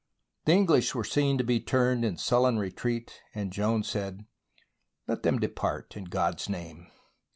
" The English were seen to be turned in sullen retreat, and Joan said: " Let them depart, in God's name."